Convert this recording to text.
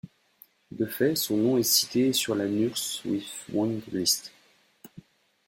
De fait, son nom est cité sur la Nurse with Wound list.